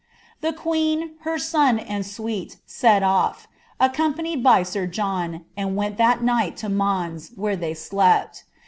The queen, her son, and suite set oS, accompanied by air Johiu uhI went that night to Moos, where they slept.